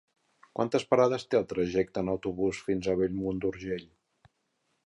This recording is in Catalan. Quantes parades té el trajecte en autobús fins a Bellmunt d'Urgell?